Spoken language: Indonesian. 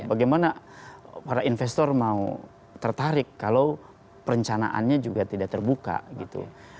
bagaimana para investor mau tertarik kalau perencanaannya juga tidak terbuka gitu